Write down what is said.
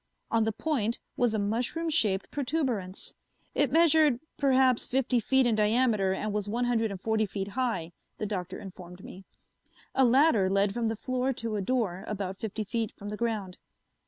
On the point was a mushroom shaped protuberance. It measured perhaps fifty feet in diameter and was one hundred and forty feet high, the Doctor informed me. A ladder led from the floor to a door about fifty feet from the ground.